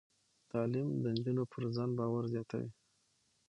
تعلیم د نجونو پر ځان باور زیاتوي.